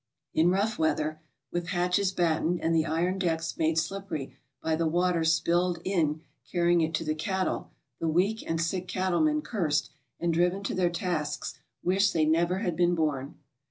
In rough weather, with hatches battened and the iron decks made slippery by the water spilled in carrying rt to the cattle, the weak and sick cattlemen cursed and driven to their tasks wish they never had been born.